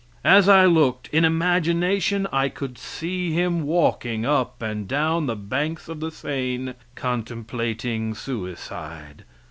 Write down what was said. As I looked, in imagination I could see him walking up and down the banks of the Seine contemplating suicide.